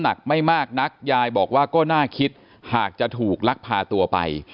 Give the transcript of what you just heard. หนักไม่มากนักยายบอกว่าก็น่าคิดหากจะถูกลักพาตัวไป